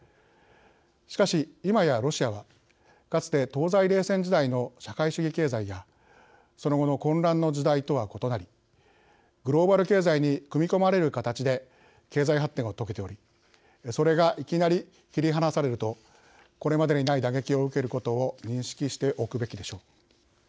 しかし、今やロシアはかつて、東西冷戦時代の社会主義経済やその後の混乱の時代とは異なりグローバル経済に組み込まれる形で経済発展を遂げておりそれが、いきなり切り離されるとこれまでにない打撃を受けることを認識しておくべきでしょう。